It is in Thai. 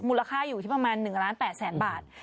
มูลค่าอยู่ที่ประมาณ๑ล้าน๘แสนบาท